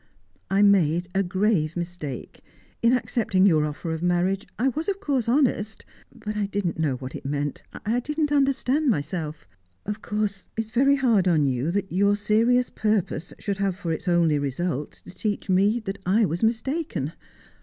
I made a grave mistake. In accepting your offer of marriage, I was of course honest, but I didn't know what it meant; I didn't understand myself. Of course it's very hard on you that your serious purpose should have for its only result to teach me that I was mistaken.